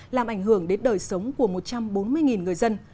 làm ảnh hưởng đến đời sống của một trăm bốn mươi người dân